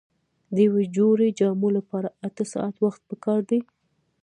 د یوې جوړې جامو لپاره اته ساعته وخت پکار دی.